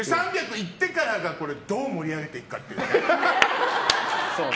いってからがどう盛り上げていくかっていうね。